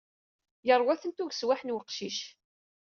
Yerwa-tent ugeswaḥ n weqcic!